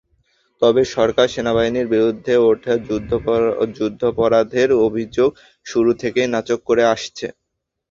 তবে সরকার সেনাবাহিনীর বিরুদ্ধে ওঠা যুদ্ধাপরাধের অভিযোগ শুরু থেকেই নাকচ করে আসছে।